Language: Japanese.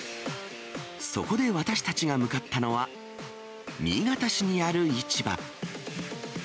そこで私たちが向かったのは、新潟市にある市場。